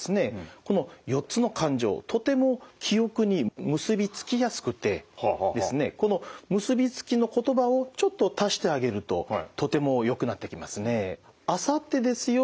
この４つの感情とても記憶に結びつきやすくてこの結びつきの言葉をちょっと足してあげるととてもよくなってきますね。